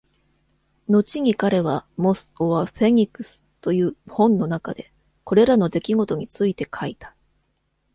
後に彼は、『Moth or Phoenix?』という本の中で、これらの出来事について書いた。